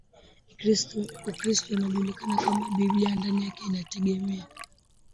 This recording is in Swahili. Ukristo kinajulikana kama Biblia Ndani yake inategemea